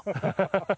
ハハハ。